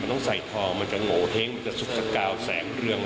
ต้องใส่ทองมันจะโงเห้งมันจะสุกซะกาวแสงเรีวรอง